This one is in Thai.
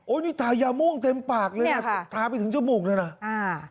โอ้ยนี่ทายาม่วงเต็มปากเลยนี่ค่ะทาไปถึงเจ้าหมูกด้วยนะอ่า